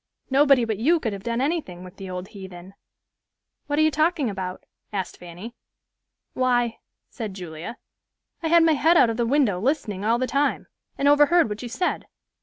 Nobody but you could have done anything with the old heathen." "What are you talking about?" asked Fanny. "Why," said Julia, "I had my head out of the window, listening all the time, and overheard what you said.